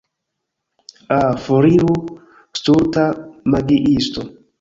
Ah, foriru stulta magiisto.